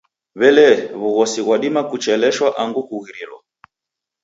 W'elee, w'ughosi ghwadima kucheleshwa angu kughirilwa?